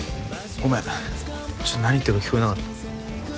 ごめんちょっと何言ってるか聞こえなかった。